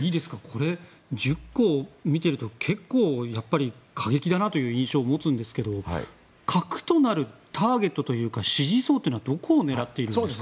これ、１０個見ていると結構過激だなという印象を持つんですけど核となるターゲットというか支持層というのはどこを狙っているんですか？